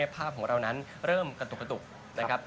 ภาพของเรานั้นเริ่มกระตุกกระตุกนะครับ